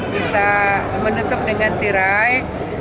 bisa menutup dengan tirai